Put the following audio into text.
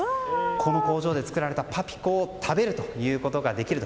この工場で作られたパピコを食べるということができると。